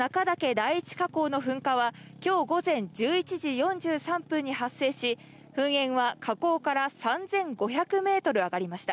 第１火口の噴火は、きょう午前１１時４３分に発生し、噴煙は火口から３５００メートル上がりました。